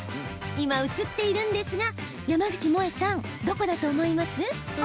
今、映ってるんですが山口もえさんどこだと思います？